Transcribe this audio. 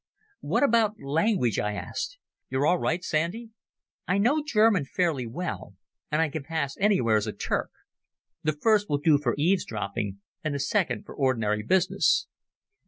"What about language?" I asked. "You're all right, Sandy?" "I know German fairly well; and I can pass anywhere as a Turk. The first will do for eavesdropping and the second for ordinary business."